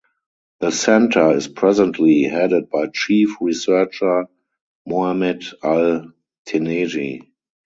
The centre is presently headed by chief researcher Mohamed Al Teneiji.